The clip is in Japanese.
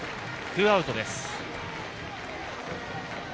ツーアウトです。